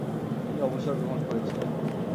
তিনি অবসর গ্রহণ করেছিলেন।